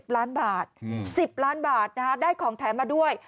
ล้านบาท๑๐ล้านบาทได้ของแถมมาด้วย